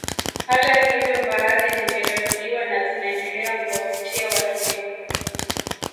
Hata hivyo baadhi zimerekodiwa na zinaendelea kuwavutia watu wengi